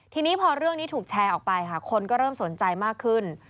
ทีนี้พอเรื่องนี้ถูกแชร์ออกไปค่ะคนก็เริ่มสนใจมากขึ้น